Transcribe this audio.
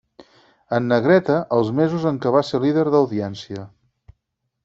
En negreta, els mesos en què va ser líder d'audiència.